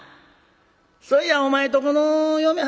そういやお前とこの嫁はん